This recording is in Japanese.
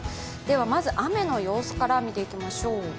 まず雨の様子から見ていきましょう。